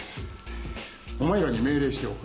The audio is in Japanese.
「お前らに命令しておく。